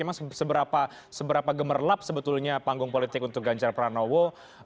memang seberapa gemerlap sebetulnya panggung politik untuk ganjar pranowo